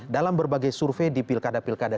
dalam berbagai survei di pilkada pilkada